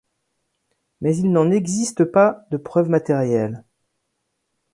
Mais il n'en existe pas de preuve matérielle.